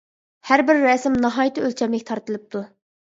ھەر بىر رەسىم ناھايىتى ئۆلچەملىك تارتىلىپتۇ.